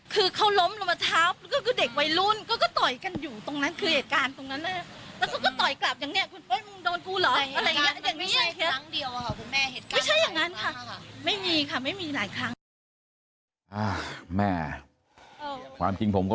ก็เขาล้มลงมาเท้าก็คือเด็กวัยรุ่นก็ก็ต่อยกันอยู่ตรงนั้นคือเหตุการณ์ตรงนั้นแล้วแล้วก็ก็ต่อยกลับอย่างเนี่ยโดนกูเหรออะไรอย่างนี้